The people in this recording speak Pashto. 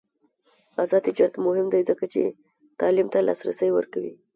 آزاد تجارت مهم دی ځکه چې تعلیم ته لاسرسی ورکوي.